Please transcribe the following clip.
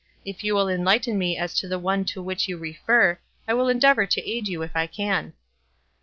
If you will enlighten me as to the one to which you refer, I will endeavor to aid you if I can."